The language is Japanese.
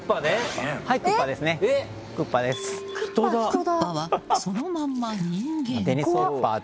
クッパは、そのまんま人間。